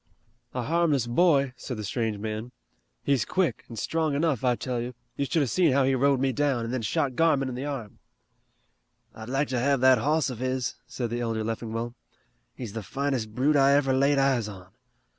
"A harmless boy," said the strange man. "He's quick, an' strong enough, I tell you. You should have seen how he rode me down, and then shot Garmon in the arm." "I'd like to have that hoss of his," said the elder Leffingwell. "He's the finest brute I ever laid eyes on.